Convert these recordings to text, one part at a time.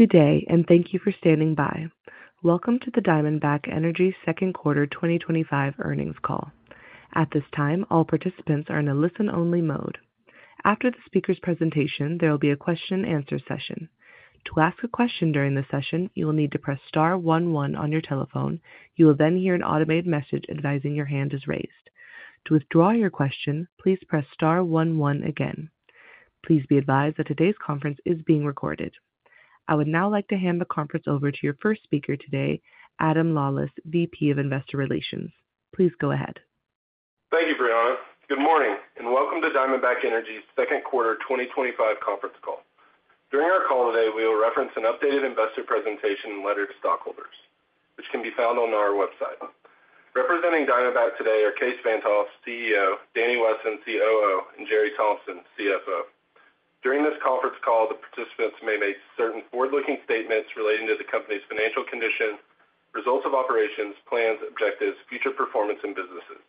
Good day and thank you for standing by. Welcome to the Diamondback Energy second quarter 2025 earnings call. At this time, all participants are in a listen-only mode. After the speaker's presentation, there will be a question and answer session. To ask a question during the session, you will need to press star one, one on your telephone. You will then hear an automated message advising your hand is raised. To withdraw your question, please press star one, one again. Please be advised that today's conference is being recorded. I would now like to hand the conference over to your first speaker today, Adam Lawlis, Vice President of Investor Relations. Please go ahead. Thank you, Brianna. Good morning and welcome to Diamondback Energy's second quarter 2025 conference call. During our call today, we will reference an updated investor presentation and letter to stockholders which can be found on our website. Representing Diamondback today are Kaes Van’t Hof, CEO, Danny Wesson, COO, and Jere Thompson, CFO. During this conference call, the participants may make certain forward-looking statements relating to the company's financial condition, results of operations, plans, objectives, future performance, and businesses.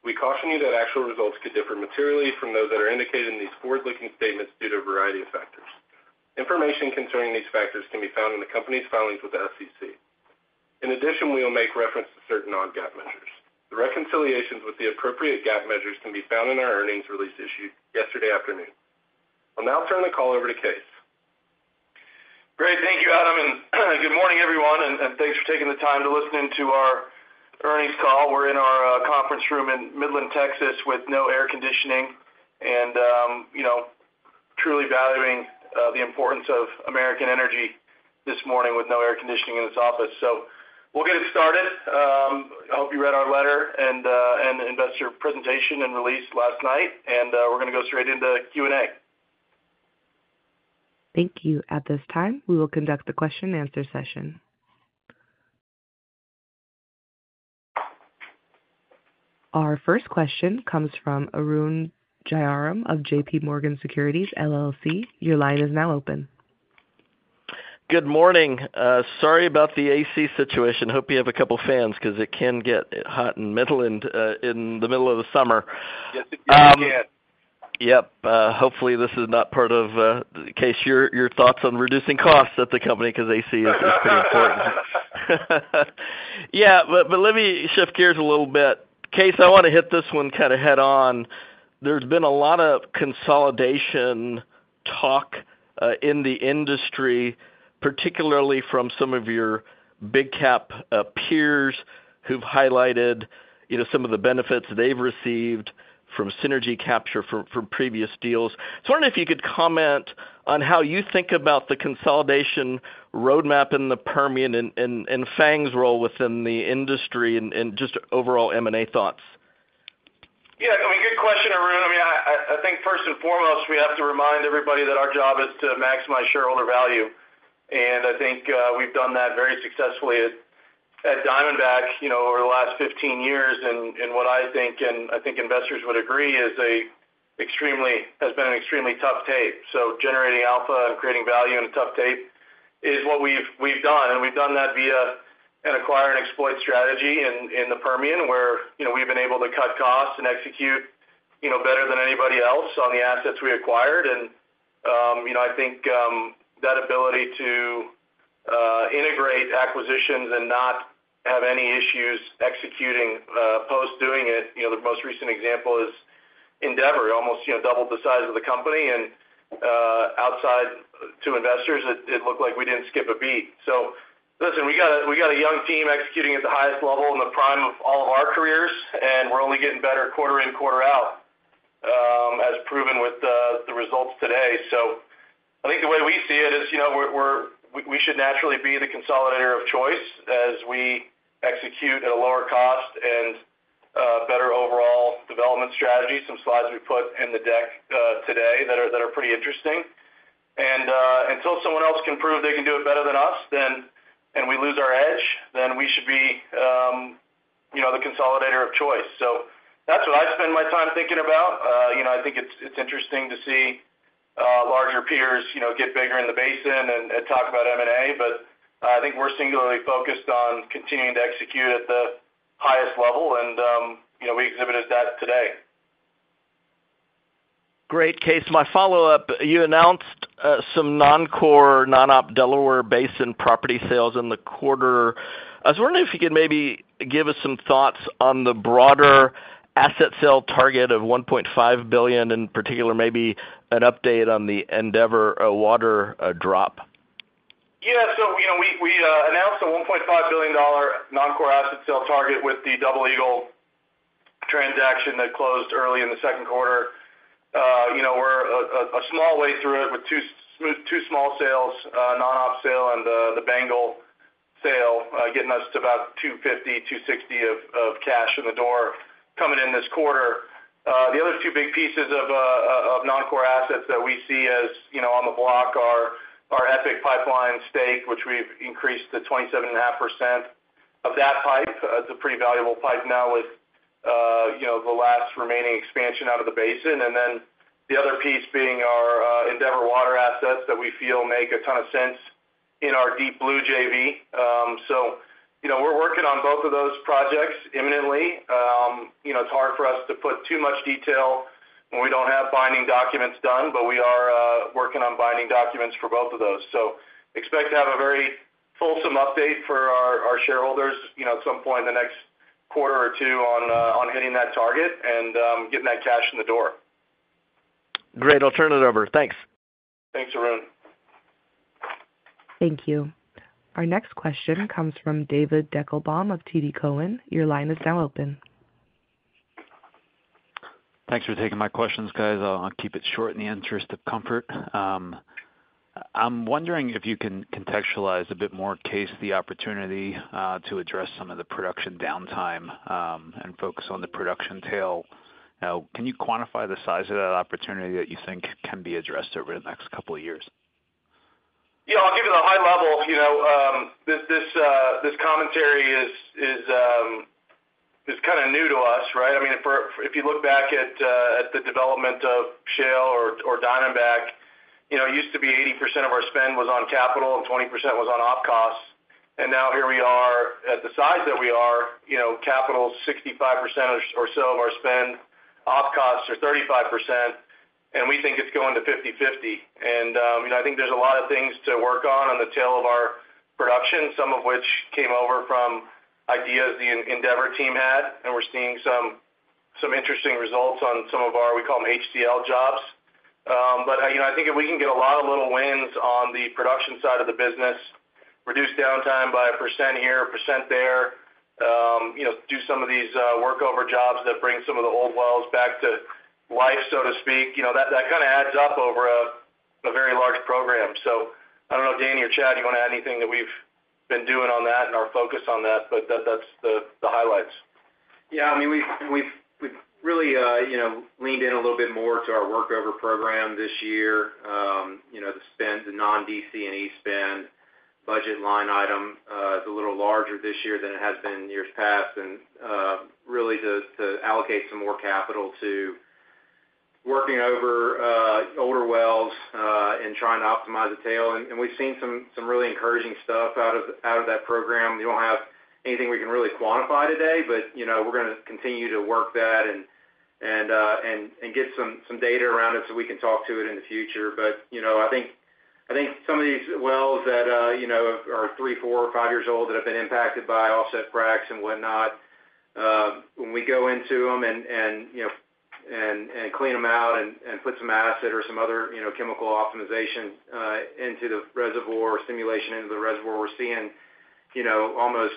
We caution you that actual results could differ materially from those that are indicated in these forward-looking statements due to a variety of factors. Information concerning these factors can be found in the company's filings with the SEC. In addition, we will make reference to certain non-GAAP measures. The reconciliations with the appropriate GAAP measures can be found in our earnings release issued yesterday afternoon. I'll now turn the call over to Kaes. Great. Thank you, Adam. Good morning everyone and thanks for taking the time to listen to our earnings call. We're in our conference room in Midland, Texas with no air conditioning and truly valuing the importance of American energy this morning with no air conditioning in this office. We'll get it started. I hope you read our letter and investor presentation and release last night. We're going to go straight into Q and A. Thank you. At this time, we will conduct the question and answer session. Our first question comes from Arun Jayaram of JPMorgan Securities LLC. Your line is now open. Good morning. Sorry about the AC situation. Hope you have a couple fans because it can get hot in Midland in the middle of the summer. Hopefully this is not part of, Kaes, your thoughts on reducing costs at the company because AC is pretty important. Let me shift gears a little bit, Kaes. I want to hit this one kind of head on. There's been a lot of consolidation talk in the industry, particularly from some of your big cap peers who've highlighted some of the benefits they've received from synergy capture from previous deals. Could you comment on how you think about the consolidation roadmap in the Permian and Diamondback Energy's role within the industry and just overall M&A thoughts? Yeah, I mean, good question, Arun. I think first and foremost we have to remind everybody that our job is to maximize shareholder value. I think we've done that very successfully at Diamondback Energy over the last 15 years. What I think, and I think investors would agree, has been an extremely tough tape. Generating alpha and creating value in a tough tape is what we've done, and we've done that via an acquire and exploit strategy in the Permian where we've been able to cut costs and execute better than anybody else on the assets we acquired. I think that ability to integrate acquisitions and not have any issues executing post doing it, the most recent example is Endeavor, almost doubled the size of the company and outside to investors it looked like we didn't skip a beat. We have a young team executing at the highest level in the prime of all of our careers and we're only getting better quarter in, quarter out, as proven with the results today. I think the way we see it is we should naturally be the consolidator of choice as we execute at a lower cost and better overall development strategy. Some slides we put in the deck today are pretty interesting and until someone else can prove they can do it better than us and we lose our edge, then we should be the consolidator of choice. That's what I spend my time thinking about. I think it's interesting to see larger peers get bigger in the basin and talk about M&A. I think we're singularly focused on continuing to execute at the highest level and we exhibited that today. Great, Kaes. My follow up, you announced some non-core, non-op Delaware Basin property sales in the quarter. I was wondering if you could maybe give us some thoughts on the broader asset sale target of $1.5 billion. In particular, maybe an update on the Endeavor water drop. Yeah, so we announced a $1.5 billion non-core asset sale target with the Double Eagle transaction that closed early in the second quarter. You know, we're a small way through it with two small sales, non-op sale and the Bengal sale getting us to about $250, $260 of cash in the door coming in this quarter. The other two big pieces of non-core assets that we see, as you know, on the block are our EPIC pipeline stake, which we've increased to 27.5% of that pipe, the pretty valuable pipe now with, you know, the last remaining expansion out of the basin, and then the other piece being our Endeavor water assets that we feel make a ton of sense in our Deep Blue JV. You know, we're working on both of those projects imminently. It's hard for us to put too much detail when we don't have binding documents done, but we are working on binding documents for both of those. Expect to have a very fulsome update for our shareholders at some point in the next quarter or two on hitting that target and getting that cash in the door. Great, I'll turn it over. Thanks. Thanks, Arun. Thank you. Our next question comes from David Deckelbaum of TD Cowen. Your line is now open. Thanks for taking my questions, guys. I'll keep it short. In the interest of comfort, I'm wondering if you can contextualize a bit more the opportunity to address some of the production downtime and focus on the production tail. Can you quantify the size of that opportunity that you think can be addressed over the next couple of years? Yeah, I'll give it at a high level. This commentary is kind of new to us, right? I mean, if you look back at the development of shale or Diamondback, you know, it used to be 80% of our spend was on capital and 20% was on op costs. Now here we are at the size that we are, you know, capital, 65% or so of our spend. Op costs are 35% and we think it's going to 50/50. I think there's a lot of things to work on on the tail of our production, some of which came over from ideas the Endeavor team had. We're seeing some interesting results on some of our, we call them HCL jobs. I think if we can get a lot of little wins on the production side of the business, reduce downtime by a percent here, a percent there, do some of these workover jobs that bring some of the old wells back to life, so to speak, that kind of adds up over a very large program. I don't know, Danny or Chad, do you want to add anything that we've been doing on that and our focus on that? That's the highlights. Yeah, I mean, we've really leaned in a little bit more to our workover program this year. The spend, the non-DC&E spend budget line item is a little larger this year than it had been in years past. Really to allocate some more capital to working over older wells and trying to optimize the tail, we've seen some really encouraging stuff out of that program. We don't have anything we can really quantify today, but we're going to continue to work that and get some data around it so we can talk to it in the future. I think some of these wells that are three, four, five years old that have been impacted by offset fracs and whatnot, when we go into them and clean them out and put some acid or some other chemical optimization into the reservoir, stimulation into the reservoir, we're seeing almost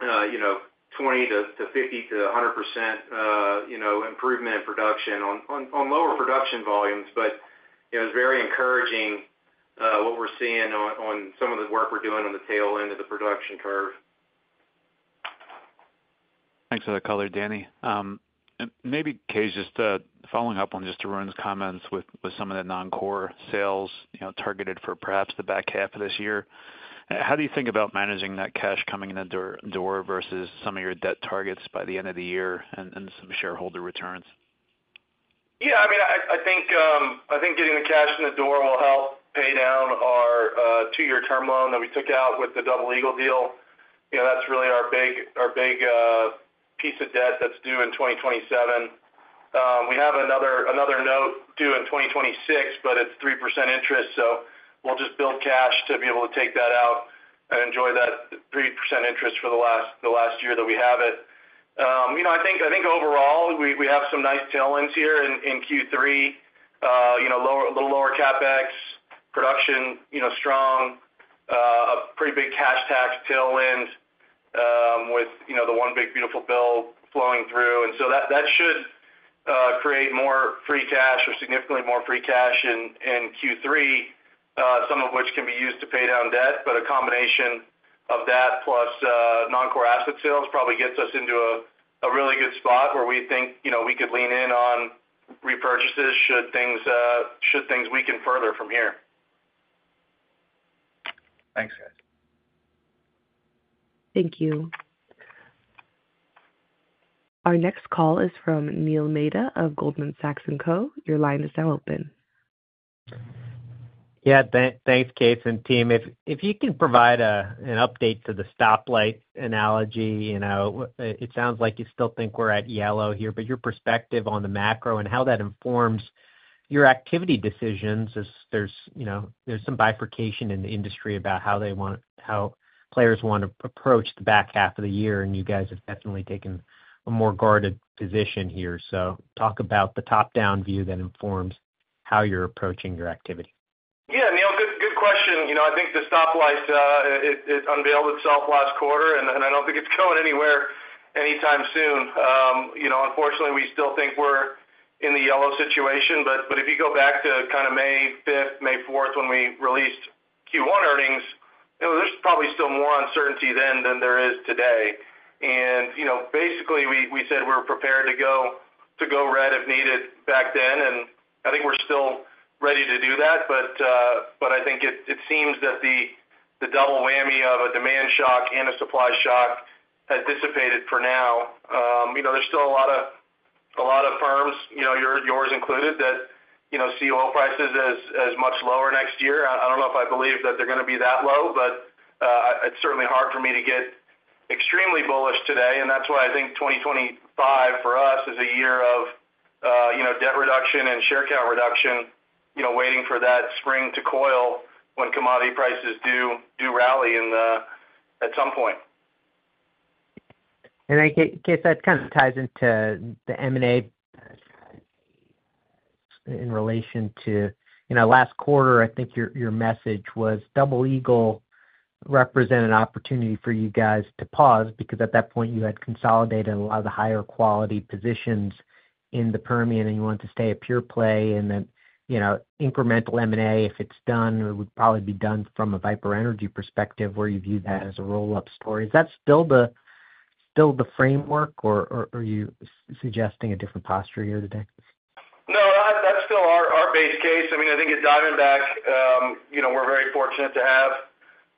20%-50% to 100% improvement in production on lower production volumes. It was very encouraging what we're seeing on some of the work we're doing on the tail end of the production. Thanks for the color, Danny. Maybe Kaes, just following up on Arun's comments with some of the non-core sales, you know, targeted for perhaps the back half of this year. How do you think about managing that cash coming in versus some of your debt targets by the end of the year and some shareholder returns? Yeah, I mean I think getting the cash in the door will help pay down our two-year term loan that we took out with the Double Eagle deal. That's really our big piece of debt that's due in 2027. We have another note due in 2026 but it's 3% interest. We'll just build cash to be able to take that out and enjoy that 3% interest for the last year that we have it. I think overall we have some nice tailwinds here in Q3, a little lower CapEx, production strong, a pretty big cash tax tailwind with the one big beautiful bill flowing through. That should create more free cash or significantly more free cash in Q3, some of which can be used to pay down debt. A combination of that plus non-core asset sales probably gets us into a really good spot where we think, you know, we could lean in on repurchases should things weaken further from here. Thanks guys. Thank you. Our next call is from Neil Mehta of Goldman Sachs. Your line is now open. Yeah, thanks. Kaes and team, if you can provide an update to the stoplight analogy. It sounds like you still think we're at yellow here, but your perspective on the macro and how that informs your activity decisions as there's some bifurcation in the industry about how players want to approach the back half of the year. You guys have definitely taken a more guarded position here. Talk about the top-down view that informs how you're approaching your activity. Yeah, Neil, good question. I think the stoplight unveiled itself last quarter and I don't think it's going anywhere anytime soon. Unfortunately, we still think we're in the yellow situation. If you go back to May 5, May 4 when we released Q1 earnings, there's probably still more uncertainty then than there is today. Basically, we said we're prepared to go red if needed back then and I think we're still ready to do that. I think it seems that the double whammy of a demand shock and a supply shock has dissipated for now. There's still a lot of firms, yours included, that see oil prices as much lower next year. I don't know if I believe that they're going to be that low. It's certainly hard for me to get extremely bullish today. That's why I think 2025 for us is a year of debt reduction and share count reduction, waiting for that spring to coil when commodity prices do rally at some point. In case that kind. It ties into the M&A in relation to, you know, last quarter. I think your message was Double Eagle represented an opportunity for you guys to pause because at that point you had consolidated a lot of the higher quality positions in the Permian and you want to stay a pure play. You know, incremental M&A, if it's done, it would probably be done from a Viper Energy Partners perspective where you view that as a roll-up story. Is that still the framework or are you suggesting a different posture here today? No, that's still our base case. I mean, I think at Diamondback Energy, you know, we're very fortunate to have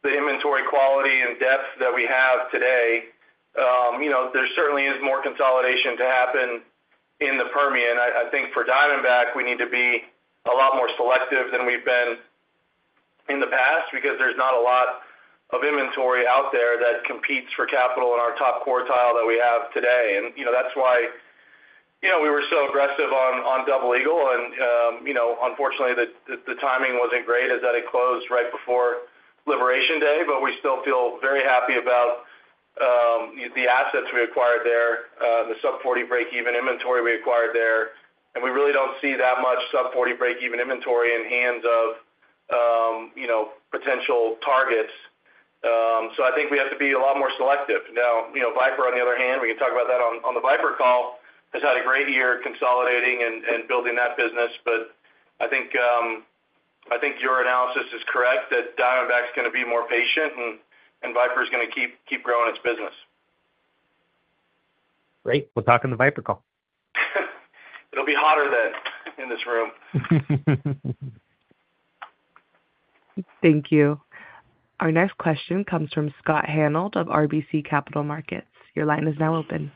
the inventory quality and depth that we have today. There certainly is more consolidation to happen in the Permian. I think for Diamondback Energy we need to be a lot more selective than we've been in the past because there's not a lot of inventory out there that competes for capital in our top quartile that we have today. You know, that's why we were so aggressive on Double Eagle. Unfortunately, the timing wasn't great as it closed right before Liberation Day. We still feel very happy about the assets we acquired there, the sub-$40 break-even inventory we acquired there. We really don't see that much sub-$40 break-even inventory in hands of, you know, potential targets. I think we have to be a lot more selective now. Viper, on the other hand, we can talk about that on the Viper call, has had a great year consolidating and building that business. I think your analysis is correct that Diamondback Energy is going to be more patient and Viper Energy Partners is going to keep growing its business. Great. We'll talk in the Viper call. It'll be hotter then in this room. Thank you. Our next question comes from Scott Hanold of RBC Capital Markets. Your line is now open.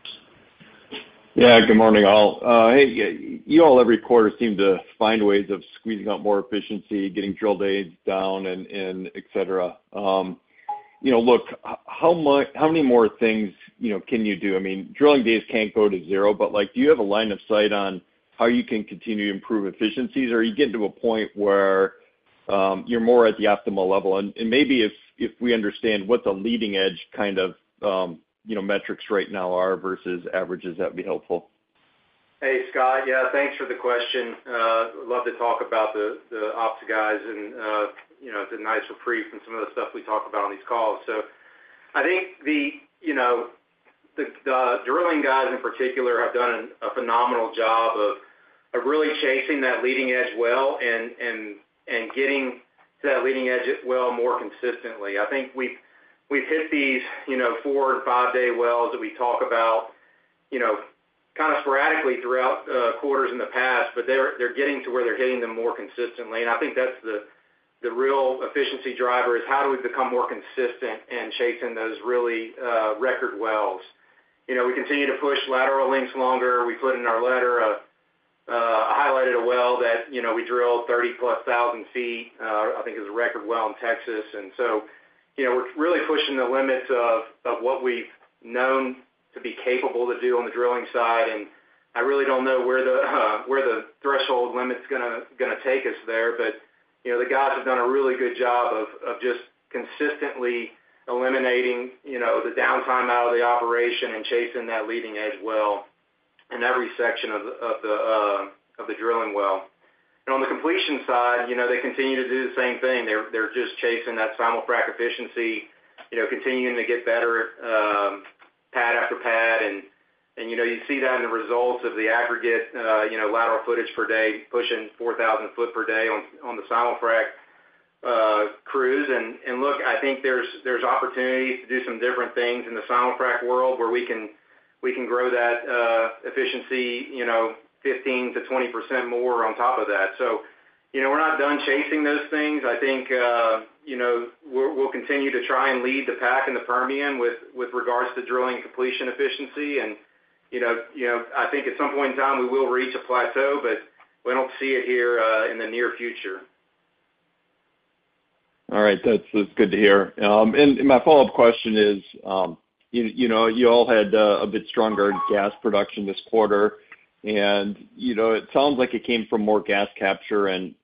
Yeah. Good morning all you all. Every quarter you seem to find ways of squeezing out more efficiency, getting drill days down, etc. You know, look how much, how many more things, you know, can you do? I mean drilling days can't go to zero. Do you have a line of sight on how you can continue to improve efficiencies or are you getting to a point where you're more at the optimal level? Maybe if we understand what the leading edge kind of metrics right now are versus averages, that would be helpful. Hey Scott. Yeah, thanks for the question. Love to talk about the ops guys and, you know, it's a nice reprieve in some of the stuff we talk about on these calls. I think the drilling guys in particular have done a phenomenal job of really chasing that leading edge well and getting to that leading edge well more consistently. I think we've hit these four and five day wells that we talk about kind of sporadically throughout quarters in the past, but they're getting to where they're hitting them more consistently. I think that's the real efficiency driver, is how do we become more consistent in chasing those really record wells. You know, we continue to push lateral lengths longer. We put in our letter, I highlighted a well that, you know, we drilled 30,000 ft, I think is a record well in Texas. We're really pushing the limits of what we've known to be capable to do on the drilling side. I really don't know where the threshold limit's going to take us there. The guys have done a really good job of just consistently eliminating the downtime out of the operation and chasing that leading edge well in every section of the drilling well. On the completion side, they continue to do the same thing. They're just chasing that simul-frac efficiency, continuing to get better pad after pad. You see that in the results of the aggregate lateral footage per day, pushing 4,000 ft per day on the simul-frac crews. I think there's opportunity to do some different things in the simul-frac world where we can grow that efficiency 15%-20% more on top of that. We're not done chasing those things. I think we'll continue to try and lead the pack in the Permian with regards to drilling completion efficiency. I think at some point in time we will reach a plateau, but we don't see it here in the near future. All right, that's good to hear. My follow-up question is, you all had a bit stronger gas production this quarter and it sounds like it came from more gas capture and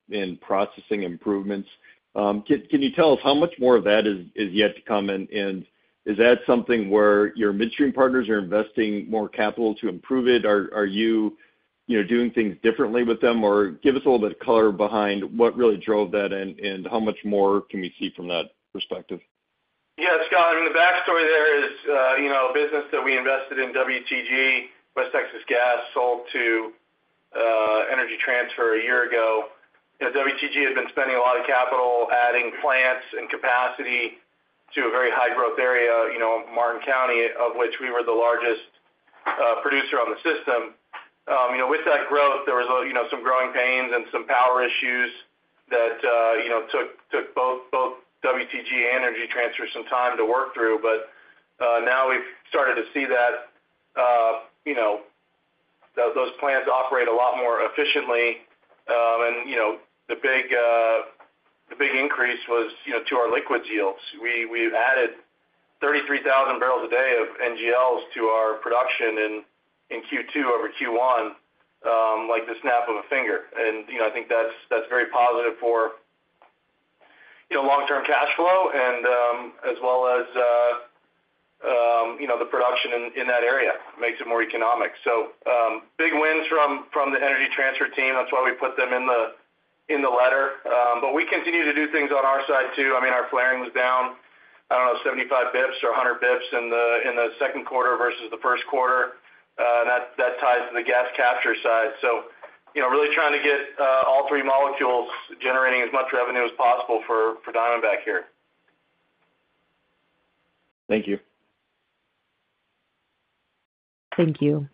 processing improvements. Can you tell us how much more of that is yet to come and is that something where your midstream partners are investing more capital to improve it? Are you doing things differently with them or give us a little bit of color behind what really drove that and how much more can we see from that perspective? Yeah, Scott, the back story there is a business that we invested in, WTG West Texas Gas, sold to Energy Transfer a year ago. WTG had been spending a lot of capital adding plants and capacity to a very high growth area, Martin County, of which we were the largest producer on the system. With that growth there were some growing pains and some power issues that took both WTG and Energy Transfer some time to work through. Now we've started to see those plants operate a lot more efficiently. The big increase was to our liquids yields. We've added 33,000 barrels a day of NGLs to our production in Q2 over Q1 like the snap of a finger. I think that's very positive for long term cash flow and the production in that area makes it more economic. Big wins from the Energy Transfer team. That's why we put them in the letter. We continue to do things on our side too. Our flaring was down, I don't know, 75 bps or 100 bps in the second quarter versus the first quarter. That ties to the gas capture side. Really trying to get all three molecules generating as much revenue as possible for Diamondback here. Thank you. Thank you.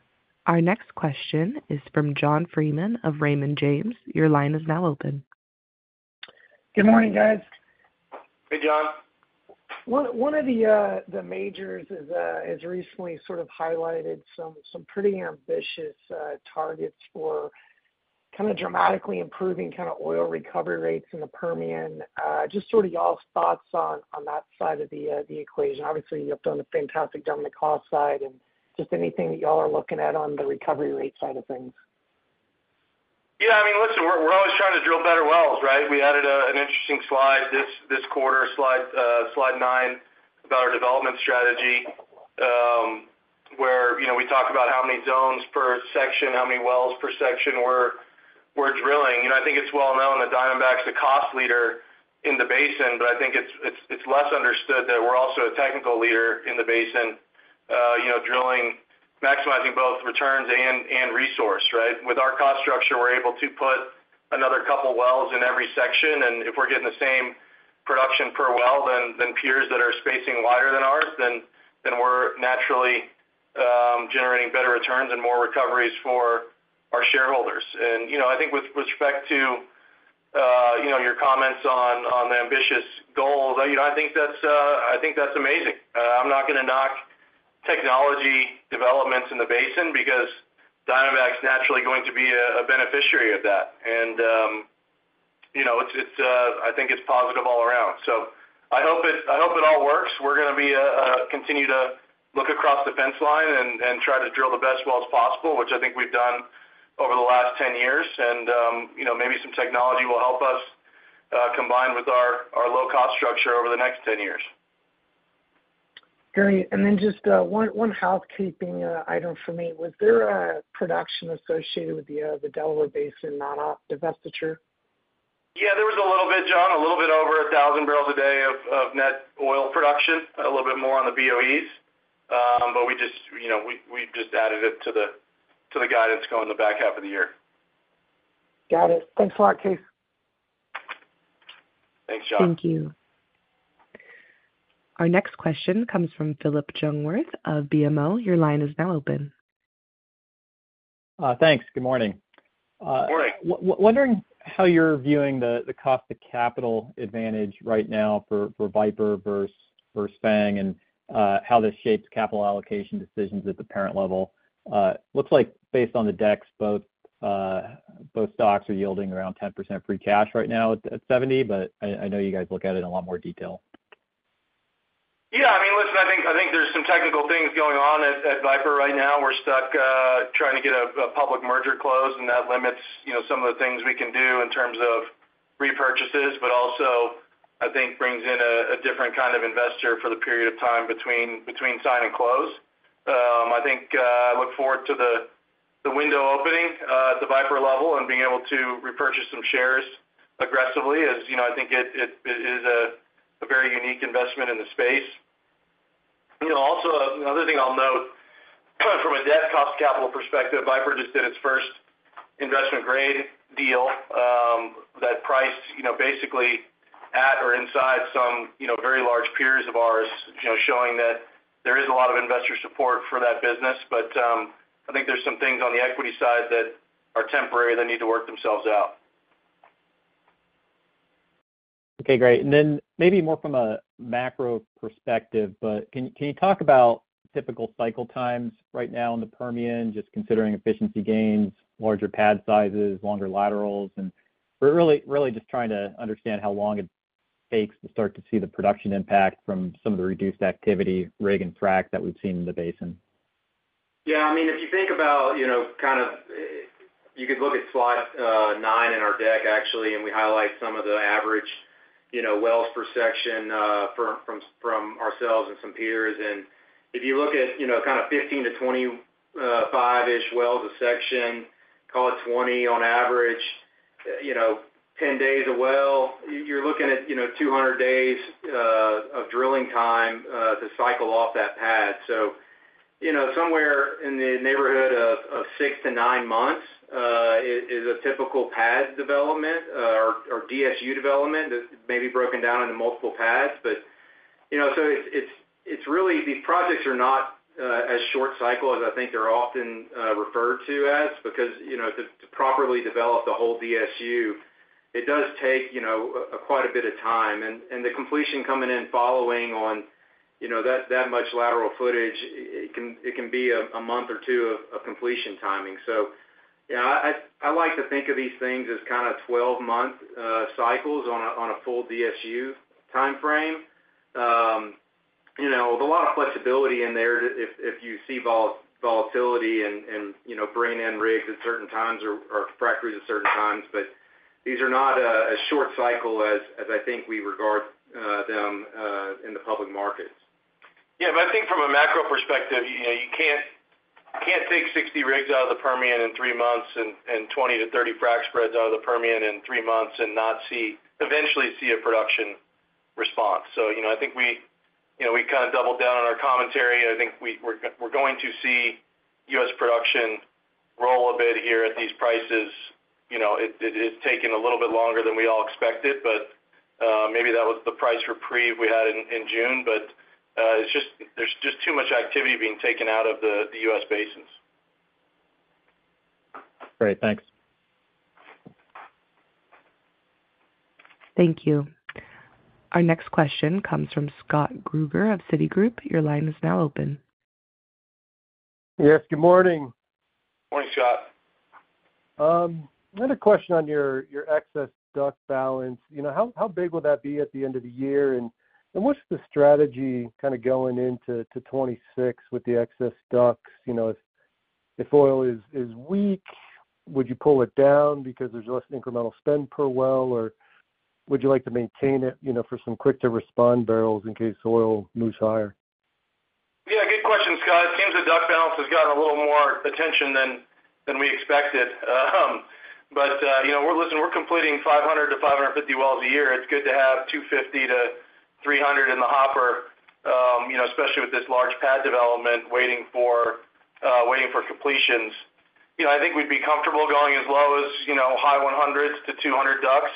Our next question is from John Freeman of Raymond James. Your line is now open. Good morning, guys. Hey, John. One of the majors has recently sort. I've highlighted some pretty ambitious targets for kind of dramatically improving kind of oil. Recovery rates in the Permian. Just sort of your thoughts on that side of the equation. Obviously, you've done a fantastic job on the cost side, and just anything that you all are looking at on the recovery rate side of things. Yeah, I mean listen, we're always trying to drill better wells, right. We added an interesting slide this quarter, Slide 9, about our development strategy where we talk about how many zones per section, how many wells per section we're drilling. I think it's well known that Diamondback Energy is the cost leader in the basin. I think it's less understood that we're also a technical leader in the basin, drilling and maximizing both returns and resource. With our cost structure, we're able to put another couple wells in every section. If we're getting the same production per well than peers that are spacing wider than ours, then we're naturally generating better returns and more recoveries for our shareholders. With respect to your comments on the ambitious goals, I think that's amazing. I'm not going to knock technology developments in the basin because Diamondback Energy is naturally going to be a beneficiary of that. I think it's positive all around. I hope it all works. We're going to continue to look across the fence line and try to drill the best wells possible, which I think we've done over the last 10 years. Maybe some technology will help us combine with our low cost structure over the next 10 years. Kerny, and then just one housekeeping item for me. Was there a production associated with the Delaware Basin non-op divestiture? Yeah, there was a little bit, John, a little bit over 1,000 barrels a day of net oil production. A little bit more on the BOEs, but we just added it to the guidance going the back half of the year. Got it. Thanks a lot, Keith. Thanks, John. Thank you. Our next question comes from Phillip Jungwirth of BMO. Your line is now open. Thanks. Good morning. Wondering how you're viewing the cost of capital advantage right now for Viper vs. FANG and how this shapes capital allocation decisions at the parent level. Looks like based on the decks, both stocks are yielding around 10% free cash right now at $70. I know you guys look at it in a lot more detail. Yeah, I mean, listen, I think there's some technical things going on at Viper right now. We're stuck trying to get a public merger closed and that limits some of the things we can do in terms of repurchases. I think it brings in a different kind of investor for the period of time between sign and close. I look forward to the window opening at the Viper level and being able to repurchase some shares aggressively as I think it is a very unique investment in the space. Another thing I'll note from a debt cost capital perspective, I've heard that it did its first investment grade deal that priced basically at or inside some very large peers of ours, showing that there is a lot of investor support for that business. I think there's some things on the equity side that are temporary that need to work themselves out. Okay, great. Maybe more from a macro perspective, can you talk about typical cycle times right now in the Permian? Just considering efficiency gains, larger pad sizes, longer laterals, and we're really just trying to understand how long it takes to start to see the production impact from some of the reduced activity rig and track that we've seen in the basin. Yeah, I mean, if you think about, you could look at slide nine in our deck actually, and we highlight some of the average wells per section from ourselves and some peers. If you look at 15 to 25ish wells a section, call it 20 on average, 10 days a well, you're looking at 200 days of drilling time to cycle off that pad. Somewhere in the neighborhood of six to nine months is a typical pad development or DSU development that may be broken down into multiple pads. The projects are not as short cycle as I think they're often referred to as, because to properly develop the whole DSU it does take quite a bit of time and the completion coming in following on that much lateral footage. It can be a month or two of completion timing. I like to think of these things as kind of 12-month cycles on a full DSU time frame. There's a lot of flexibility in there if you see volatility and bringing in rigs at certain times or frac crews at certain times. These are not as short cycle as I think we regard them in the public markets. From a macro perspective, you can't take 60 rigs out of the Permian in three months and 20-30 frac spreads out of the Permian in three months and not eventually see a production response. I think we kind of doubled down on our commentary. I think we're going to see U.S. production roll a bit here at these prices. It's taking a little bit longer than we all expected, but maybe that was the price reprieve we had in June. There's just too much activity being taken out of the U.S. basins. Great, thanks. Thank you. Our next question comes from Scott Gruber of Citigroup. Your line is now open. Yes. Good morning. Morning, Scott. Another question on your excess DUC balance, you know, how big will that be at the end of the year and what's the strategy kind of going into 2026 with the excess DUCs? You know, if oil is weak, would you pull it down because there's less incremental spend per well or would you like to maintain it, you know, for some quick to respond barrels in case oil moves higher? Good question, Scott. It seems the DUC balance has gotten a little more attention than we expected. We're completing 500-550 wells a year. It's good to have 250-300 in the hopper, especially with this large pad development waiting for completions. I think we'd be comfortable going as low as, you know, high 100-200 DUCs,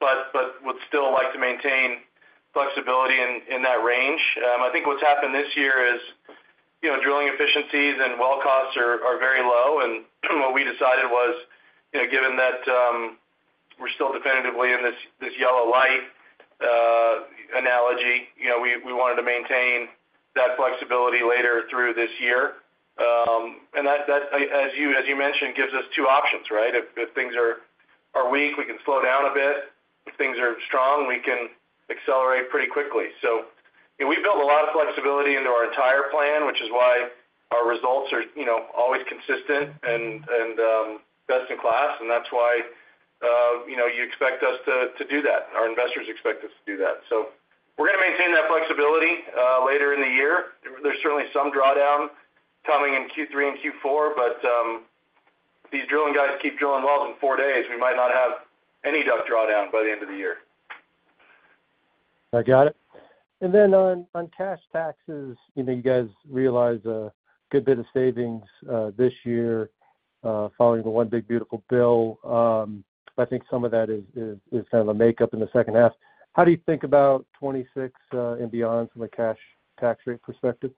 but would still like to maintain flexibility in that range. I think what's happened this year is drilling efficiencies and well costs are very low. What we decided was, given that we're still dependent in this yellow light analogy, we wanted to maintain that flexibility later through this year. That, as you mentioned, gives us two options, right? If things are weak, we can slow down a bit. If things are strong, we can accelerate pretty quickly. We built a lot of flexibility into our entire plan, which is why our results are always consistent and best in class. That's why you expect us to do that, our investors expect us to do that. We're going to maintain that flexibility later in the year. There's certainly some drawdown coming in Q3 and Q4, but these drilling guys keep drilling well in four days, we might not have any DUC drawdown by the end of the year. I got it. On cash taxes, you guys realize a good bit of savings this year following the one big beautiful bill. I think some of that is kind of a makeup in the second half. How do you think about 2026 and beyond from a cash tax rate perspective?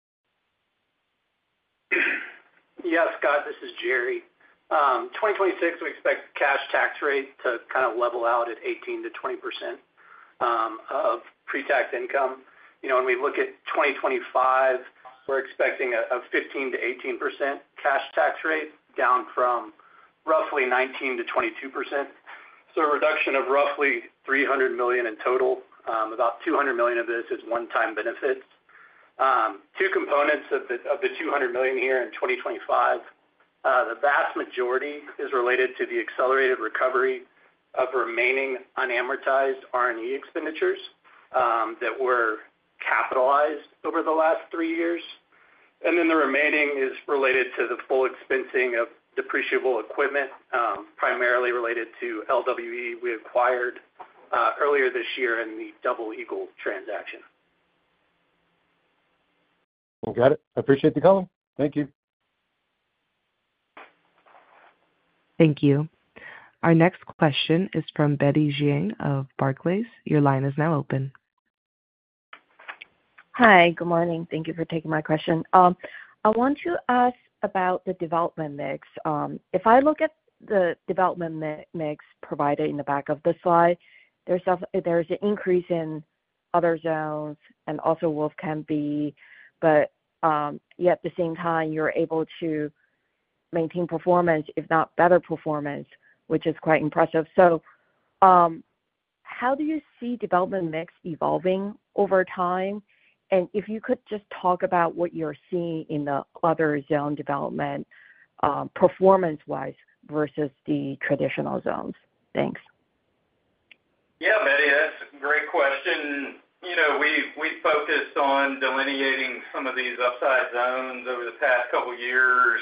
Yeah, Scott, this is Jere. 2026, we expect cash tax rate to kind of level out at 18%-20% of pre-tax income. When we look at 2025, we're expecting a 15%-18% cash tax rate, down from roughly 19%-22%. So a reduction of roughly $300 million in total. About $200 million of this is one-time benefits. Two components of the $200 million here in 2025. The vast majority is related to the accelerated recovery of remaining unamortized R&E expenditures that were capitalized over the last three years. The remaining is related to the full expensing of depreciable equipment, primarily related to lwe we acquired earlier this year in the Double Eagle transaction. Got it. I appreciate the call. Thank you. Thank you. Our next question is from Betty Jiang of Barclays. Your line is now open. Hi, good morning. Thank you for taking my question. I want to ask about the development mix. If I look at the development mix provided in the back of the slide, there's an increase in other zones and also Wolfcamp B. Yet at the same time you're able to maintain performance, if not better performance, which is quite impressive. How do you see development mix evolving over time? If you could just talk about what you're seeing in the other zone, development performance wise versus the traditional zones. Thanks. Yeah, Betty, that's a great question. We focused on delineating some of these upside zones over the past couple years.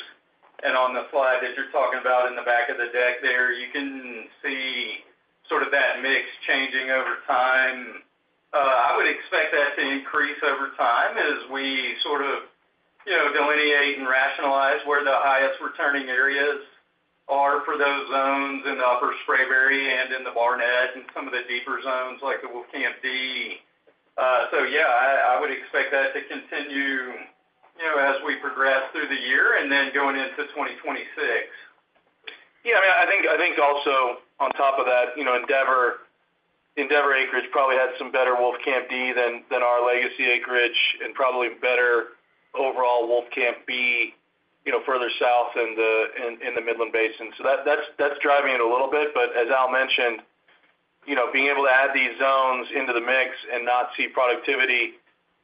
On the slide that you're talking about in the back of the deck, you can see that mix changing over time. I would expect that to increase over time as we delineate and rationalize where the highest returning areas are for those zones in the Upper Spraberry and in the Barnett and some of the deeper zones like the Wolfcamp D. I would expect that to continue as we progress through the year and then going into 2026. I think also on top of that, Endeavor acreage probably had some better Wolfcamp D than our legacy acreage and probably better overall Wolfcamp B further south in the Midland Basin. That's driving it a little bit. As Al mentioned, being able to add these zones into the mix and not see productivity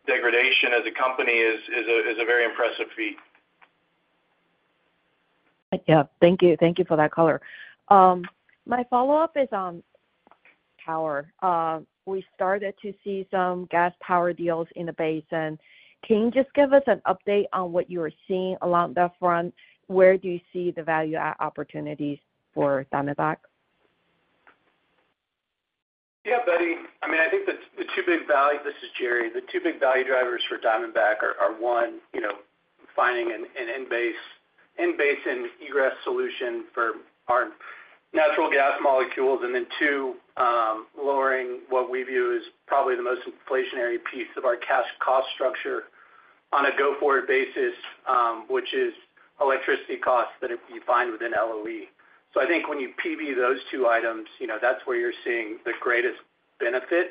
degradation as a company is a very impressive feat. Thank you for that color. My follow-up is on power. We started to see some gas power deals in the basin. Can you just give us an update on what you are seeing along that front? Where do you see the value add opportunities for Diamondback? Yeah, buddy. I mean I think that the two big value. This is Jere, the two big value drivers for Diamondback are one, you know, finding an in-basin egress solution for our natural gas molecules, and then two, lowering what we view is probably the most inflationary piece of our cash cost structure on a go-forward basis, which is electricity costs that you find within LOE. I think when you PV those two items, that's where you're seeing the greatest benefit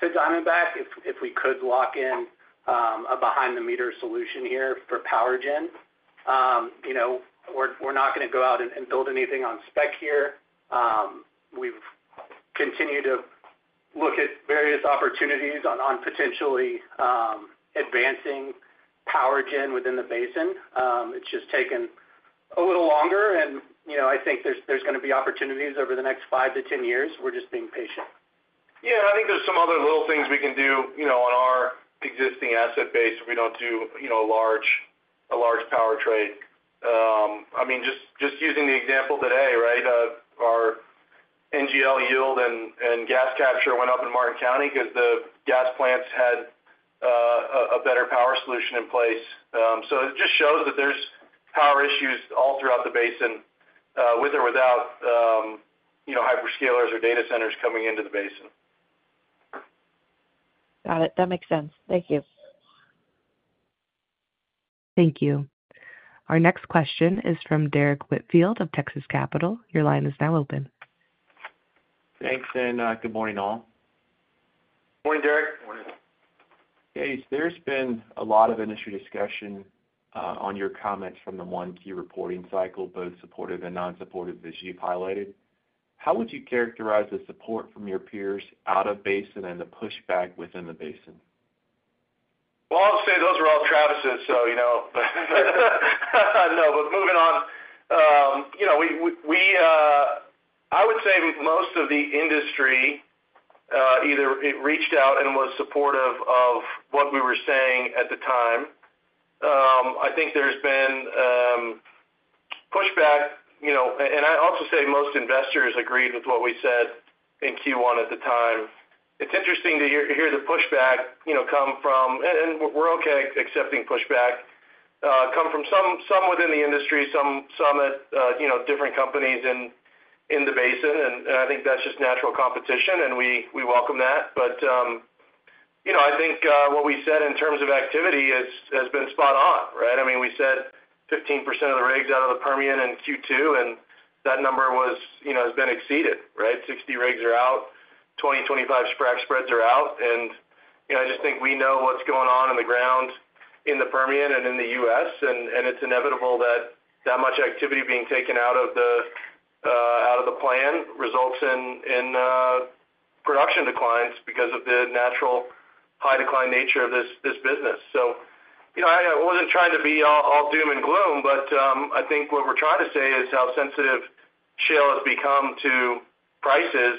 to Diamondback. If we could lock in a behind-the-meter solution here for power gen, we're not going to go out and build anything on spec here. We've continued to look at various opportunities on potentially advancing power gen within the basin. It's just taken a little longer, and I think there's going to be opportunities over the next five to ten years. We're just being patient. I think there's some other little things we can do on our existing asset base if we don't do a large power trade. I mean, just using the example today, right, our natural gas liquids yield and gas capture went up in Martin County because the gas plants had a better power solution in place. It just shows that there's power issues all throughout the basin with or without hyperscalers or data centers coming into the basin. Got it. That makes sense. Thank you. Thank you. Our next question is from Derrick Whitfield of Texas Capital. Your line is now open. Thanks and good morning all. Good morning. Derrick, There's been a lot of industry discussion on your comments from the one key reporting cycle, both supportive and non-supportive, as you've highlighted. How would you characterize the support from your peers out of Basin and the pushback within the Basin? Those are all Travis's. Moving on, I would say most of the industry either reached out and was supportive of what we were saying at the time. I think there's been pushback, and I also say most investors agreed with what we said in Q1 at the time. It's interesting to hear the pushback come from, and we're okay accepting pushback come from some within the industry, some at different companies in the Basin. I think that's just natural competition and we welcome that. I think what we said in terms of activity has been spot on. I mean, we said 15% of the rigs out of the Permian in Q2 and that number has been exceeded. 60 rigs are out, 20-25 frac spreads are out. I just think we know what's going on in the ground in the Permian and in the U.S., and it's inevitable that that much activity being taken out of the plan results in production declines because of the natural high decline nature of this business. I wasn't trying to be all doom and gloom, but I think what we're trying to say is how sensitive shale has become to prices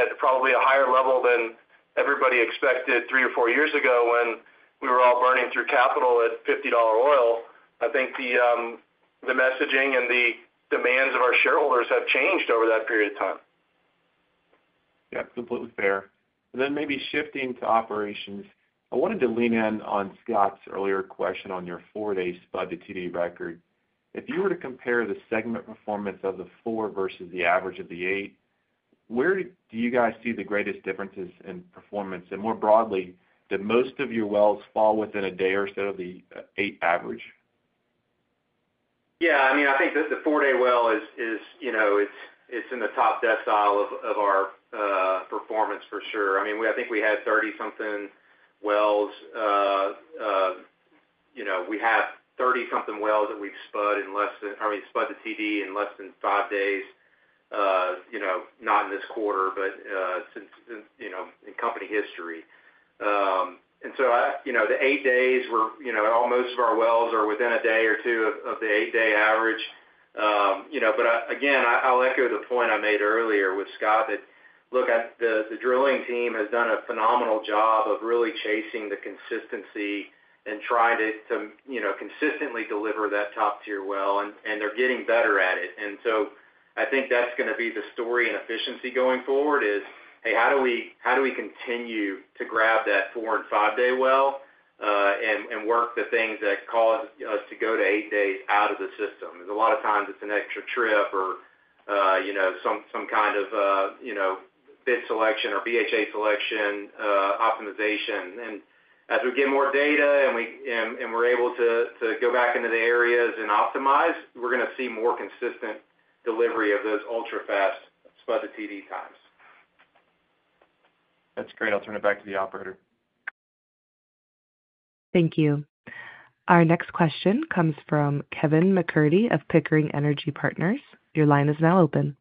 at probably a higher level than everybody expected three or four years ago when we were all burning through capital at $50 oil. I think the messaging and the demands of our shareholders have changed over that period of time. Yeah, completely fair. Maybe shifting to operations, I wanted to lean in on Scott's earlier question. On your four-day spud to TD record, if you were to compare the segment performance of the four versus the average of the eight, where do you guys see the greatest differences in performance? More broadly, did most of your wells fall within a day or so of the eight average? I mean, I think that the four-day well is in the top decile of our performance for sure. I think we had 30 something wells, we have 30 something wells that we've spud the TD in less than five days, not in this quarter, but since, in company history. The eight days were, you know, most of our wells are within a day or two of the eight-day average. I'll echo the point I made earlier with Scott, that the drilling team has done a phenomenal job of really chasing the consistency and trying to consistently deliver that top-tier well, and they're getting better at it. I think that's going to be the story. Efficiency going forward is, hey, how do we continue to grab that four- and five-day well and work the things that cause us to go to eight days out of the system? A lot of times it's an extra trip or some kind of fit selection, a BHA selection optimization. As we get more data and we're able to go back into the areas and optimize, we're going to see more consistent delivery of those ultra-fast spud to TD times. That's great. I'll turn it back to the operator. Thank you. Our next question comes from Kevin MacCurdy of Pickering Energy Partners. Your line is now open.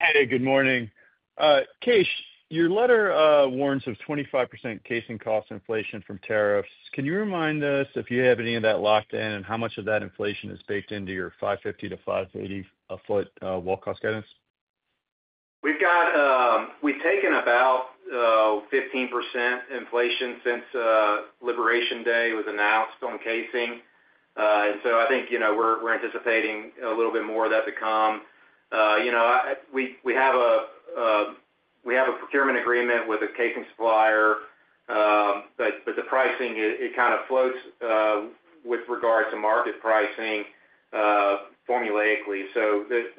Hey, good morning Kaes. Your letter warns of 25% casing cost inflation from tariffs. Can you remind us if you have any of that locked in and how much of that inflation is baked into your 550-550 foot well cost guidance? We've taken about 15% inflation since Liberation Day was announced on casing. I think we're anticipating a little bit more of that to come. We have a procurement agreement with a casing supplier, but the pricing kind of floats with regards to market pricing formulaically.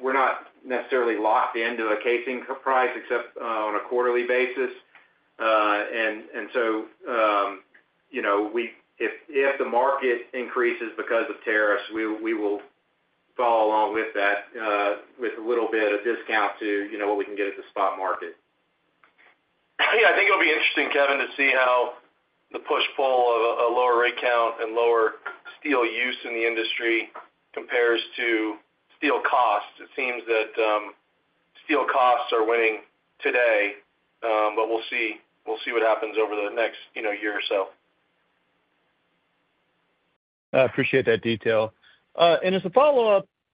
We're not necessarily locked into a casing price except on a quarterly basis. If the market increases because of tariffs, we will follow along with that with a little bit of discount to what we can get at the spot market. I think it'll be interesting, Kevin, to see how the push-pull of a lower rig count and lower steel use in the industry compares to steel costs. It seems that steel costs are winning today, but we'll see what happens over the next year or so. I appreciate that detail and as a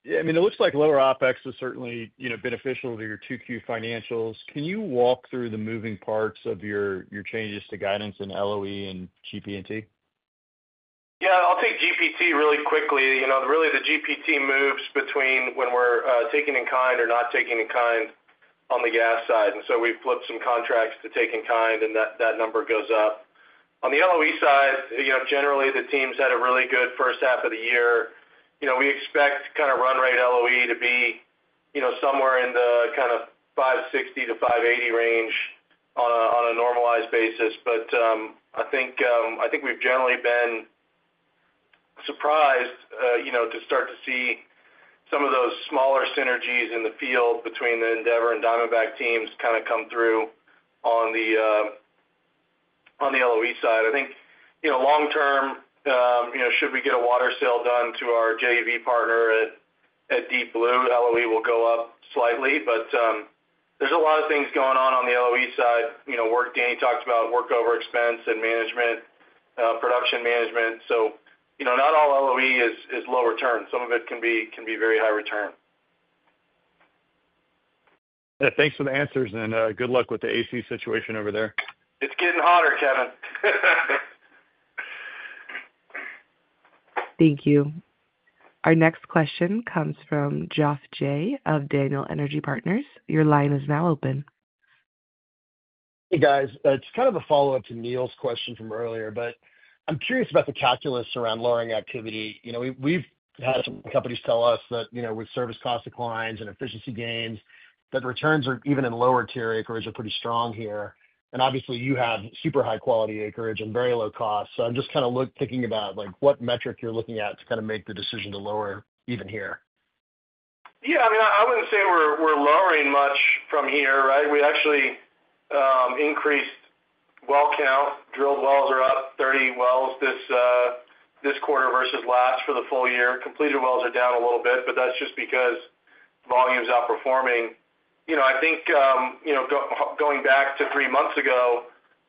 follow-up, it looks like lower OpEx is certainly beneficial to your 2Q financials. Can you walk through the moving parts of your changes to guidance and LOE and GPT? I'll take GPT really quickly. The GPT moves between when we're taking in kind or not taking in kind on the gas side. We flipped some contracts to take in kind and that number goes up. On the LOE side, generally the team's had a really good first half of the year. We expect kind of run rate LOE to be somewhere in the $5.60-$5.80 range on a normalized basis. I think we've generally been surprised to start to see some of those smaller synergies in the field between the Endeavor and Diamondback teams come through on the LOE side. I think long term, should we get a water sale done to our JV partner at Deep Blue, LOE will go up slightly, but there's a lot of things going on on the LOE side. Danny talked about workover expense and management, production management. Not all is low return. Some of it can be very high return. Thanks for the answers and good luck with the AC situation over there. It's getting hotter, Kevin. Thank you. Our next question comes from Josh Jayne of Daniel Energy Partners. Your line is now open. Hey guys. It's kind of a follow up to Neil's question from earlier, but I'm curious about the calculus around lowering activity. We've had some companies tell us that with service cost declines and efficiency gains that returns are even in lower tier acreage are pretty strong here. Obviously you have super high quality acreage and very low cost. I'm just kind of thinking about what metric you're looking at to make the decision to lower even here. Yeah, I mean I wouldn't say we're lowering much from here. We actually increased well count. Drilled wells are up 30 wells this quarter versus last for the full year. Completed wells are down a little bit, but that's just because volumes are outperforming. Going back to three months ago,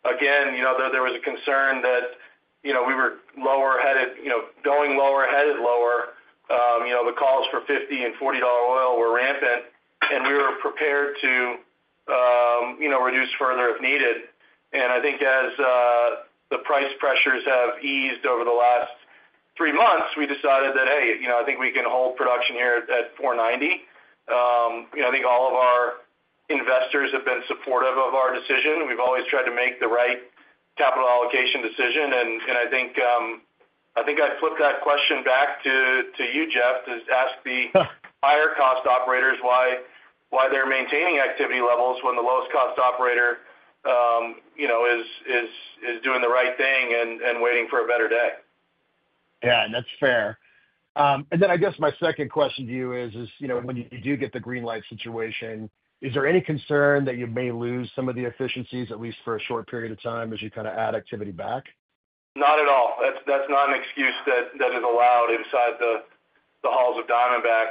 there was a concern that we were headed lower. The calls for $50, $40 oil were rampant and we were prepared to reduce further if needed. As the price pressures have eased over the last three months, we decided that we can hold production here at 490. All of our investors have been supportive of our decision. We've always tried to make the right capital allocation decision. I'd flip that question back to you, Josh, to ask the higher cost operators why they're maintaining activity levels when the lowest cost operator is doing the right thing and waiting for a better day. Yeah, that's fair. My second question to you is when you do get the green light situation, is there any concern that you may lose some of the efficiencies at least for a short period of time as you add activity back? Not at all. That's not an excuse that is allowed inside the halls of Diamondback.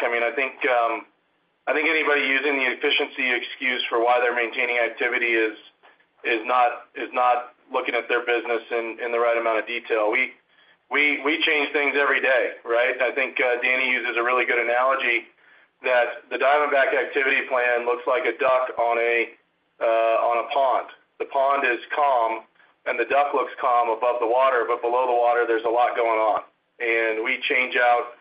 Anybody using the efficiency excuse for why they're maintaining activity is not looking at their business in the right amount of detail. We change things every day. I think Danny uses a really good analogy that the Diamondback activity plan looks like a duck on a pond. The pond is calm and the duck looks calm above the water, but below the water there's a lot going on. We change out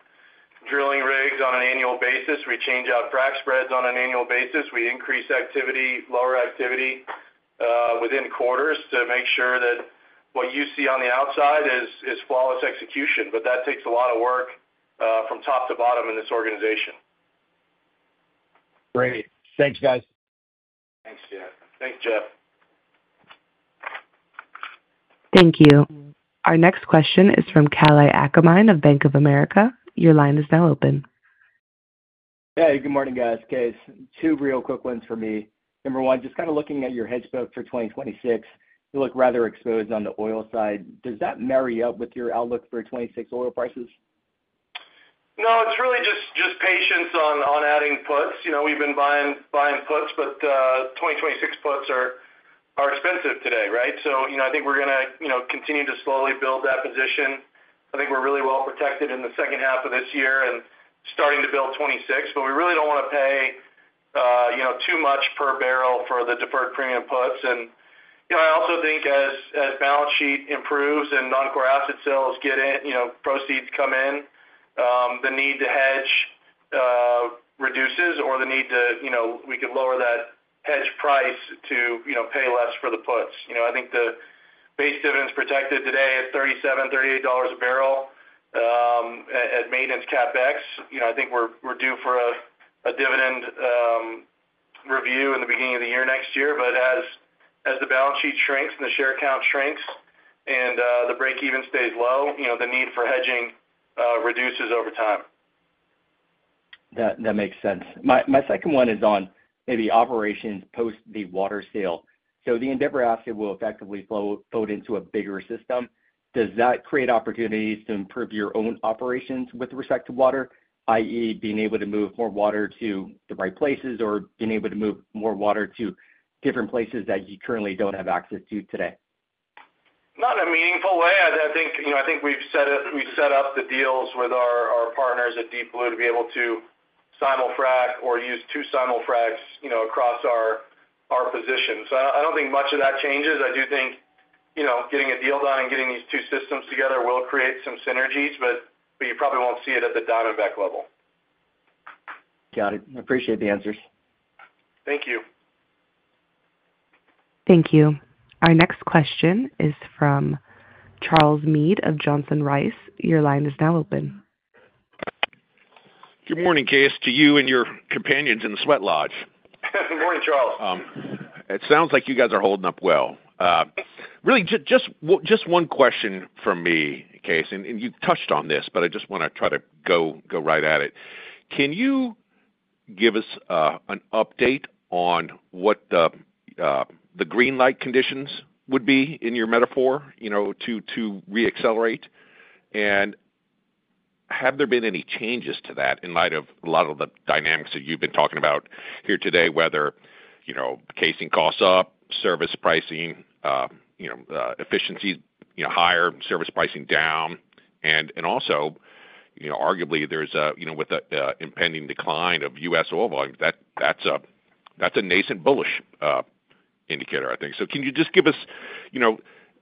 drilling rigs on an annual basis, we change out frac spreads on an annual basis. We increase activity, lower activity within quarters to make sure that what you see on the outside is flawless execution. That takes a lot of work from top to bottom in this organization. Great. Thanks guys. Thanks, Josh. Thank you. Our next question is from Kalei Akamine of Bank of America. Your line is now open. Hey, good morning guys. Kaes, two real quick ones for me. Number one, just kind of looking at your hedge book for 2026, you look rather exposed on the oil side. Does that marry up with your outlook for 2026 oil prices? No, it's really just patience on adding puts. You know, we've been buying puts, but 2026 puts are expensive today. Right. I think we're going to continue to slowly build that position. I think we're really well protected in the second half of this year and starting to build 2026. We really don't want to pay too much per barrel for the deferred premium puts. I also think as balance sheet improves and non-core asset sales get in, proceeds come in, the need to hedge reduces or the need to, you know, we could lower that hedge price to, you know, pay less for the puts. I think the base dividend's protected today at $37, $38 a barrel at maintenance CapEx. I think we're due for a dividend review in the beginning of the year, next year. As the balance sheet shrinks and the share count shrinks and the break-even stays low, the need for hedging reduces over time. That makes sense. My second one is on maybe operations post the water sale. The Endeavor asset will effectively flow it into a bigger system. Does that create opportunities to improve your own operations with respect to water? That is, being able to move more water to the right places or being able to move more water to different places that you currently don't have access to today. Not in a meaningful way. I think we've set it. We've set up the deals with our partners at Deep Blue to be able to simulfrac or use two simulfracs across our position. I don't think much of that changes. I do think getting a deal done and getting these two systems together will create some synergies, but you probably won't see it at the Diamondback level. Got it. I appreciate the answers. Thank you. Our next question is from Charles Meade of Johnson Rice. Your line is now open. Good morning, Kaes, to you and your companions in the sweat lodge. Good morning, Charles. It sounds like you guys are holding up well. Really, just one question for me, Kaes, and you touched on this, but I just want to try to go right at it. Can you give us an update on what the green light conditions would be in your metaphor to re-accelerate? Have there been any changes to that in light of a lot of the dynamics that you've been talking about here today, whether casing costs up, service pricing, efficiency, higher service pricing down? Also, arguably there's a, with the impending decline of U.S. oil volume, that's a nascent, bullish indicator, I think. Can you just give us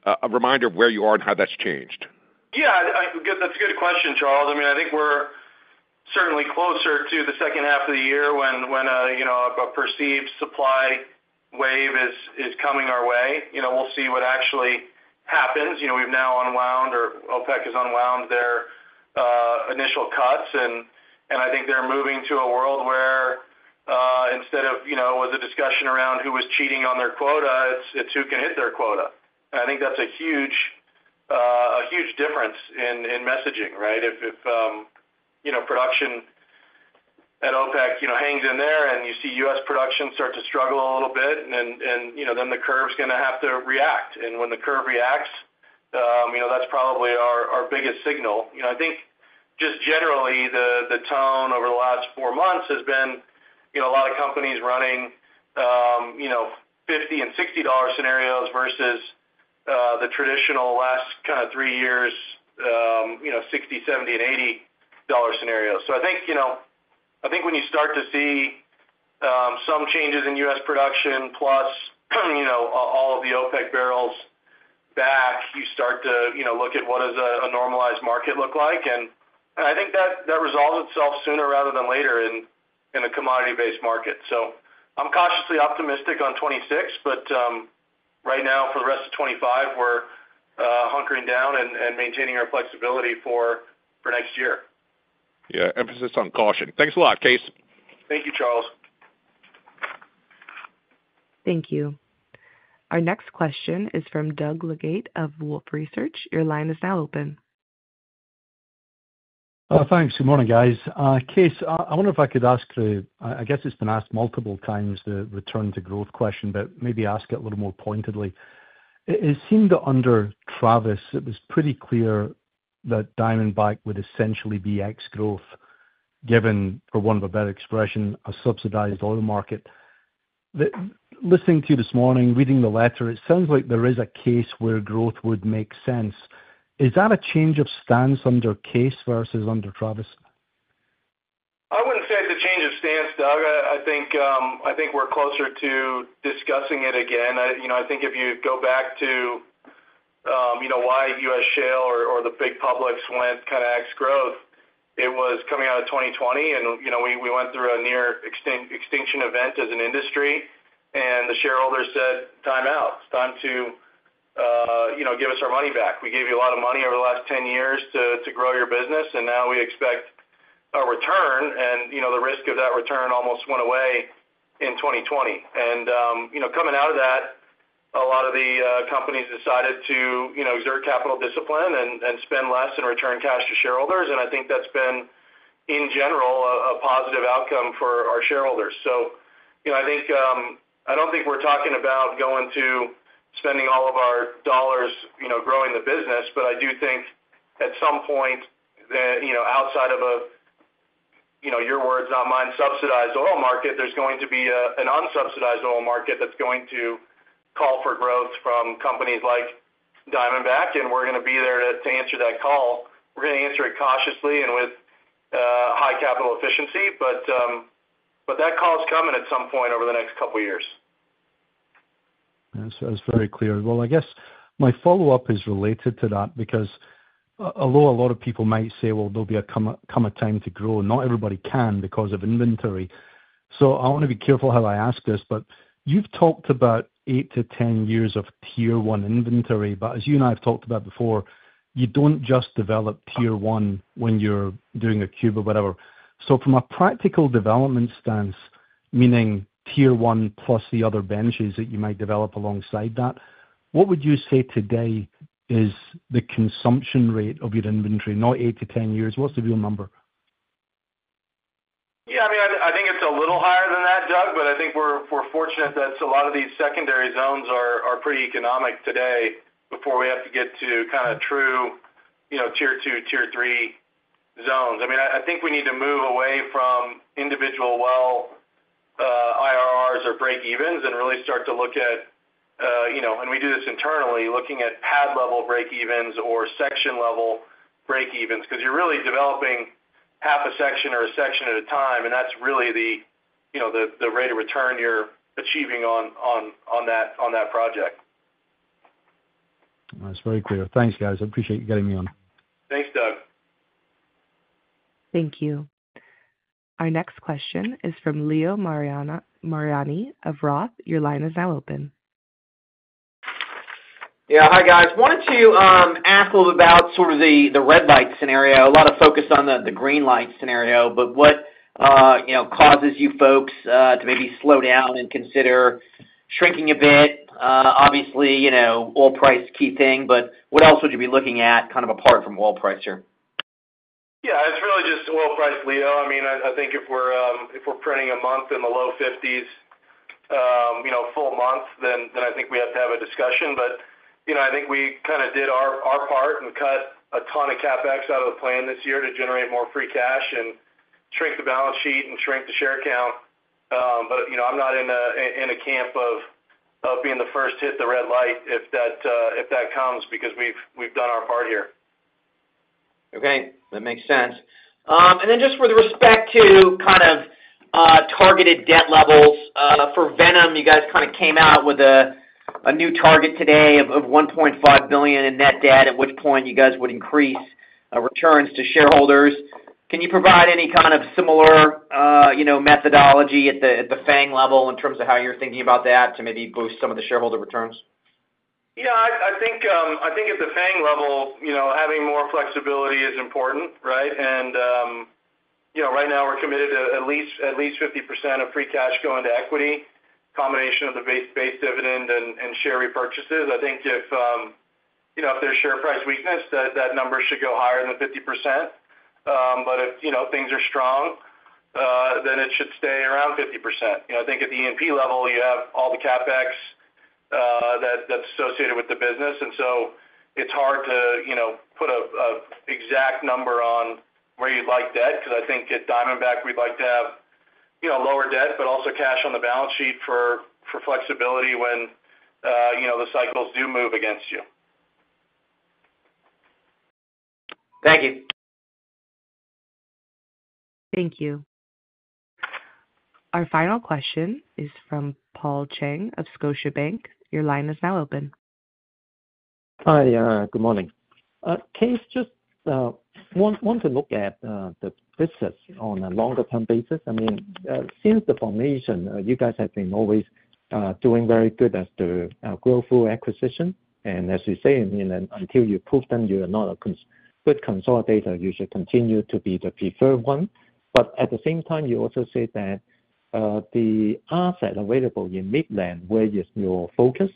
a reminder of where you are and how that's changed? Yeah, good. That's a good question, Charles. I think we're certainly closer to the second half of the year when a perceived supply wave is coming our way. We'll see what actually happens. We've now unwound or OPEC has unwound their initial cuts, and I think they're moving to a world where instead of the discussion around who was cheating on their quota, it's who can hit their quota. I think that's a huge difference in messaging, right? If production, OPEC hangs in there and you see U.S. production start to struggle a little bit, then the curve's going to have to react. When the curve reacts, that's probably our biggest signal. I think generally the tone over the last four months has been a lot of companies running $50 and $60 scenarios versus the traditional last three years, $60, $70 and $80 scenario. I think when you start to see some changes in U.S. production plus all of the OPEC barrels back, you start to look at what does a normalized market look like. I think that resolves itself sooner rather than later in a commodity based market. I'm cautiously optimistic on 2026, but right now for the rest of 2025, we're hunkering down and maintaining our flexibility for next year. Yeah, emphasis on caution. Thanks a lot, Kaes. Thank you, Charles. Thank you. Our next question is from Doug Leggate of Wolfe Research. Your line is now open. Thanks. Good morning, guys. Kaes, I wonder if I could ask, I guess it's been asked multiple times, the return to growth question, but maybe ask it a little more pointedly. It seemed under Travis it was pretty clear that Diamondback would essentially be ex growth, given, for want of a better expression, a subsidized oil market. Listening to you this morning, reading the letter, it sounds like there is a case where growth would make sense. Is that a change of stance under Kaes versus under Travis? I wouldn't say the change of stance, Doug. I think we're closer to discussing it again. If you go back to why U.S. shale or the big publics went kind of ex growth, it was coming out of 2020 and we went through a near extinction event as an industry and the shareholders said timeout, time to give us our money back. We gave you a lot of money over the last 10 years to grow your business and now we expect a return. The risk of that return almost went away in 2020. Coming out of that, a lot of the companies decided to exert capital discipline and spend less and return cash to shareholders. I think that's been in general a positive outcome for our shareholders. I don't think we're talking about going to spending all of our dollars growing the business. I do think at some point that, outside of a, your words not mine, subsidized oil market, there's going to be an unsubsidized oil market that's going to call for growth from companies like Diamondback and we're going to be there to answer that call. We're going to answer it cautiously and with high capital efficiency. That call's coming at some point over the next couple years. That's very clear. I guess my follow up is related to that because although a lot of people might say there'll become a time to grow, not everybody can because of inventory. I want to be careful how I ask this, but you've talked about eight to 10 years of tier one inventory. As you and I have talked about before, you don't just develop tier one when you're doing a cube or whatever. From a practical development stance, meaning tier one plus the other benches that you might develop alongside that, what would you say today is the consumption rate of your inventory? Not eight to 10 years. What's the real number? Yeah, I mean, I think it's a little higher than that, Doug, but I think we're fortunate that a lot of these secondary zones are pretty economic today, before we have to get to kind of true, you know, tier two, tier three zones, I think we need to move away from individual well IRRs or break-even costs and really start to look at, you know, and we do this internally, looking at pad level break-even costs or section level break-even costs, because you're really developing half a section or a section at a time. That's really the rate of return you're achieving on that project. That's very clear. Thanks, guys. I appreciate you getting me on. Thanks, Doug. Thank you. Our next question is from Leo Mariani of Roth Capital Partners. Your line is now open. Yeah. Hi, guys. Wanted to ask a little about sort of the red light scenario. A lot of focus on the green light scenario, but what causes you folks to maybe slow down and consider shrinking a bit? Obviously, you know, oil price is a key thing. What else would you be looking at apart from oil price here? Yeah, it's really just oil price, Leo. I mean, I think if we're printing a month in the low $50s, a full month, then I think we have to have a discussion. I think we did our part and cut a ton of CapEx out of the plan this year to generate more free cash and shrink the balance sheet and shrink the share count. I'm not in a camp of being the first to hit the red light if that comes, because we've done our part here. Okay, that makes sense. With respect to targeted debt levels for Viper, you guys came out with a new target today of $1.5 billion in net debt, at which point you would increase returns to shareholders. Can you provide any similar methodology at the Diamondback level in terms of how you're thinking about that to maybe boost some of the shareholder returns? Yeah, I think at the Diamondback level having more flexibility is important. Right now we're committed to at least 50% of free cash going to equity, a combination of the base dividend and share repurchases. I think if there's share price weakness that number should go higher than 50%. If things are strong, then it should stay around 50%. At the E&P level you have all the CapEx that's associated with the business and so it's hard to put an exact number on where you'd like debt because I think at Diamondback we'd like to have lower debt but also cash on the balance sheet for flexibility when the cycles do move against you. Thank you. Thank you. Our final question is from Paul Cheng of Scotiabank. Your line is now open. Hi, good morning, Kaes. Just want to look at the visits on a longer term basis. I mean, since the formation, you guys have been always doing very good as the growthful acquisition and as you say, until you prove them, you are not a good consolidator. You should continue to be the preferred one. At the same time, you also say that the asset available in Midland, where your focus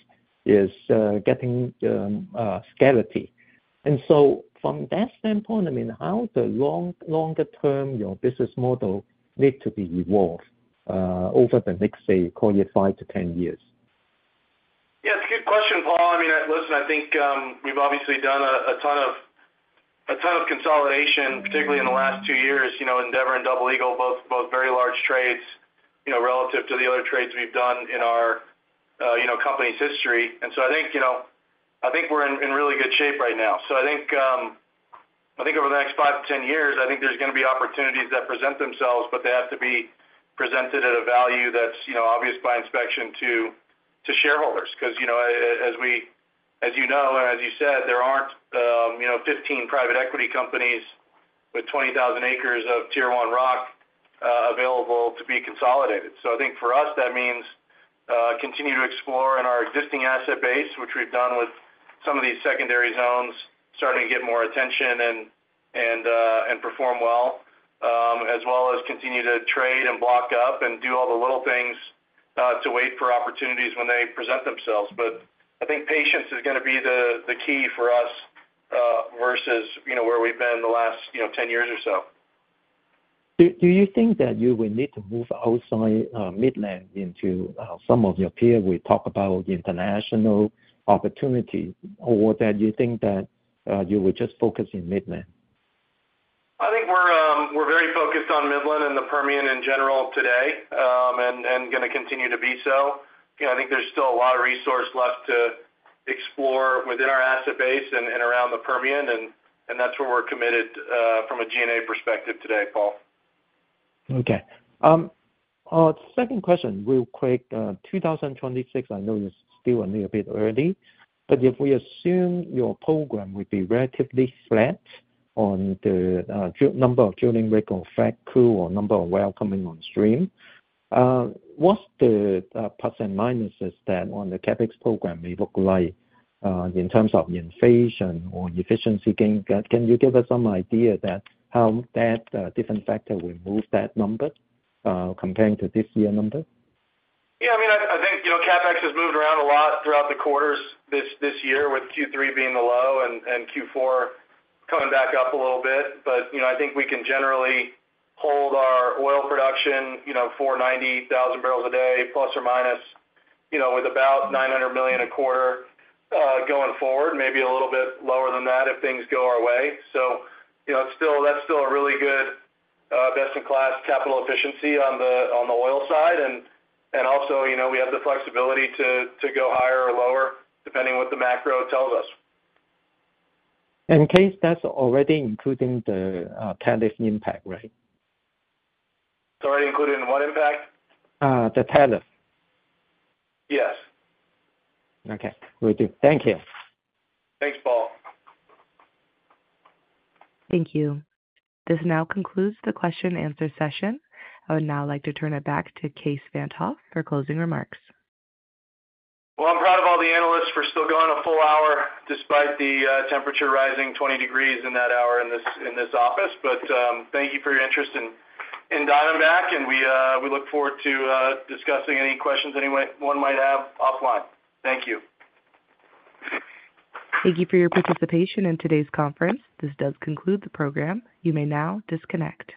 is, is getting scarcity. From that standpoint, I mean, how the longer term your business model need to be evolved over the next, say, call it five to 10 years. Yeah, it's a good question, Paul. I mean, listen, I think we've obviously done a ton of consolidation, particularly in the last two years. Endeavor and Double Eagle, both very large trades, you know, relative to the other trades we've done in our company's history. I think we're in really good shape right now. Over the next five to ten years, I think there's going to be opportunities that present themselves, but they have to be presented at a value that's obvious by inspection to shareholders because, as you said, there aren't 15 private equity companies with 20,000 acres of Tier 1 rock available to be consolidated. For us, that means continue to explore in our existing asset base, which we've done with some of these secondary zones starting to get more attention and perform well, as well as continue to trade and block up and do all the little things to wait for opportunities when they present themselves. I think patience is going to be the key for us versus where we've been the last ten years or so. Do you think that you will need to move outside Midland into some of your peers? We talk about international opportunity or that you think that you would just focus in Midland? I think we're very focused on Midland and the Permian in general today and going to continue to be so. I think there's still a lot of resource left to explore within our asset base and around the Permian, and that's where we're committed from a G&A perspective today. Paul. Okay, second question real quick, 2026, I know it's still a little bit early, but if we assume your program would be relatively flat on the number of drilling rig or flat crew or number of welcoming on stream, what's the plus and minuses that on the CapEx program may look like in terms of inflation or efficiency gain? Can you give us some idea that how that different factor will move that number comparing to this year number? Yeah, I mean, I think CapEx has moved around a lot throughout the quarters this year, with Q3 being the low and Q4 coming back up a little bit. I think we can generally hold our oil production, you know, 490,000 barrels a day, plus or minus, with about $900 million a quarter going forward, maybe a little bit lower than that if things go our way. It's still a really good best-in-class capital efficiency on the oil side. Also, we have the flexibility to go higher or lower depending what the macro tells us. In case that's already including the tariff impact, right? It's already including what impact? The tariff. Yes. Okay, we do. Thank you. Thanks, Paul. Thank you. This now concludes the question and answer session. I would now like to turn it back to Kaes Van’t Hof for closing remarks. I'm proud of all the analysts for still going a full hour despite the temperature rising 20 degrees in that hour in this office. Thank you for your interest in Diamondback Energy and we look forward to discussing any questions anyone might have offline. Thank you. Thank you for your participation in today's conference. This does conclude the program. You may now disconnect.